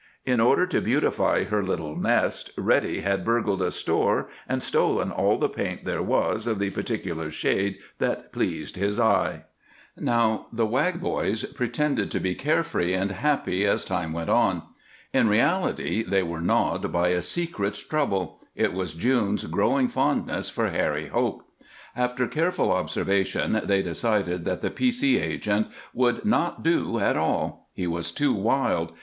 In order to beautify her little nest Reddy had burgled a store and stolen all the paint there was of the particular shade that pleased his eye. Now, the Wag boys pretended to be care free and happy as time went on. In reality they were gnawed by a secret trouble it was June's growing fondness for Harry Hope. After careful observation they decided that the P. C. agent would not do at all; he was too wild.